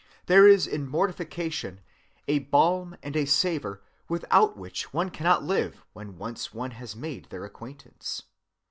There is in mortification a balm and a savor without which one cannot live when once one has made their acquaintance.